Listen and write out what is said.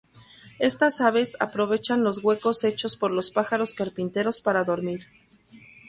Estas aves aprovechan los huecos hechos por los pájaros carpinteros para dormir.